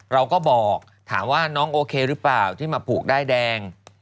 เราก็บอกถามว่าน้องโอเคหรือเปล่าที่มาผูกด้ายแดง